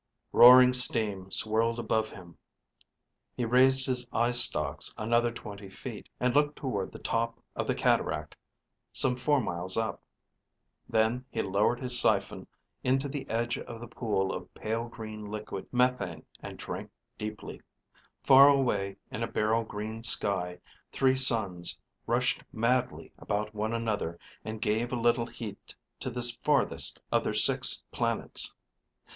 _Roaring steam swirled above him. He raised his eye stalks another twenty feet and looked toward the top of the cataract some four miles up. Then he lowered his siphon into the edge of the pool of pale green liquid methane and drank deeply. Far away in a beryl green sky, three suns rushed madly about one another and gave a little heat to this farthest of their six planets.